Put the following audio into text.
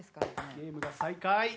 ゲームが再開。